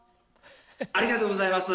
ありがとうございます！